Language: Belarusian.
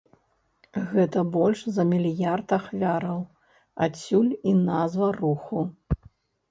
Гэта больш за мільярд ахвяраў, адсюль і назва руху.